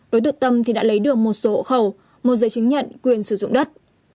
đối tượng tâm thì đã lấy được một số hộ khẩu một giấy chứng nhận quyền sử dụng đất